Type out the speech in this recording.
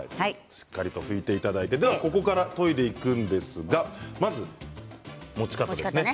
しっかり拭いていただいてここから研いでいくんですがまず持ち方です。